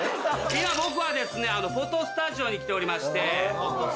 今僕はですねフォトスタジオに来ておりまして。